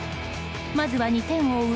まずは２点を追う